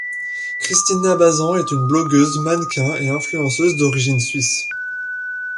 Kristina Bazan est une blogueuse, mannequin et influenceuse d'origine suisse.